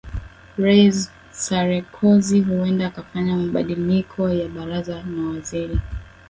rais sarekozy huenda akafanya mabandiliko ya baraza la mawaziri